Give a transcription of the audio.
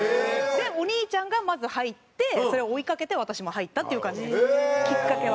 でお兄ちゃんがまず入ってそれを追いかけて私も入ったっていう感じですきっかけは。